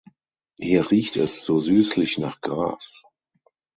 Hier riecht es so süßlich nach Gras.